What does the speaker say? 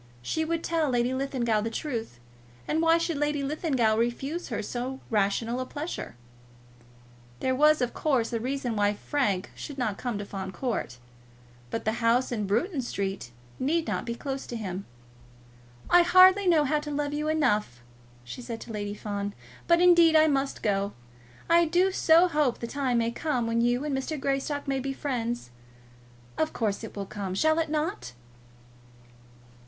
She would tell Lady Linlithgow the truth, and why should Lady Linlithgow refuse her so rational a pleasure? There was, of course, a reason why Frank should not come to Fawn Court; but the house in Bruton Street need not be closed to him. "I hardly know how to love you enough," she said to Lady Fawn, "but indeed I must go. I do so hope the time may come when you and Mr. Greystock may be friends. Of course, it will come. Shall it not?"